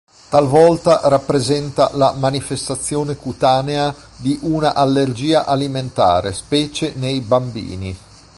Talvolta rappresenta la manifestazione cutanea di una allergia alimentare, specie nei bambini.